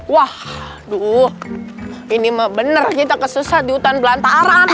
wah ini mah bener kita kesusah di hutan belantara